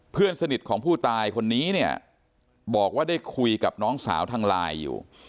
เพื่อนสนิทของผู้ตายคนนี้เนี่ยบอกว่าได้คุยกับน้องสาวทางไลน์อยู่